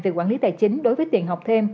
về quản lý tài chính đối với tiền học thêm